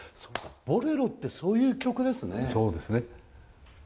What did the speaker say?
「ボレロ」ってそういう曲ですね。